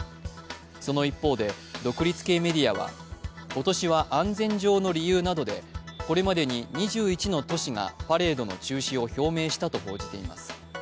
その一方で独立系メディアは今年は安全上の理由などでこれまでに２１の都市がパレードの中止を表明したと報じています。